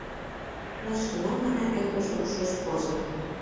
Лач тунам гына эргыже ушеш возын.